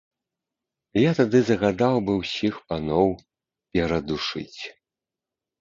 Я тады загадаў бы ўсіх паноў перадушыць.